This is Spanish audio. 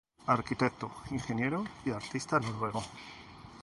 Arquitecto, ingeniero y artista noruego.